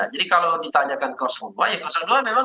jadi kalau ditanyakan ke dua ya dua memang tidak relevan